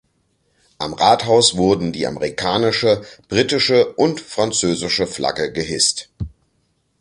Am Rathaus wurden die amerikanische, britische und französische Flagge gehisst.